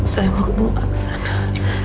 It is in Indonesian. saya mau ketemu aksan